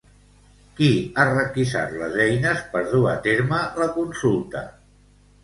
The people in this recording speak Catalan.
Qui ha requisat les eines per dur a terme la consulta?